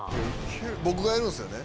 僕がやるんすよね？